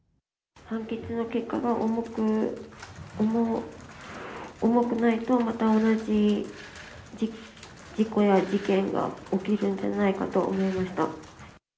判決の結果が重くないと、また同じ事故や事件が起きるんじゃないかと思いました。